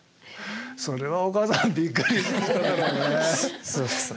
それはお母さんびっくりしただろうね。